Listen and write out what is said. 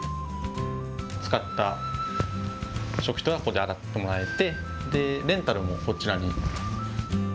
使った食器とかはここで洗ってもらえて、レンタルもこちらに。